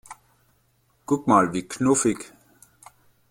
Guck mal, wie knuffig!